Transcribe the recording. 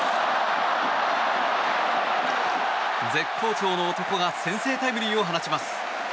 絶好調の男が先制タイムリーを放ちます。